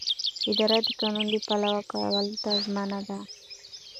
اداره د قانون پلي کولو ته ژمنه ده.